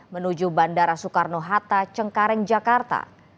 menuju bandara soekarno hatta cengkareng jakarta